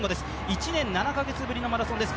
１年７か月ぶりのマラソンです。